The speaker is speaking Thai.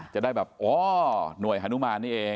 จะได้แบบอ๋อหน่วยฮานุมานนี่เอง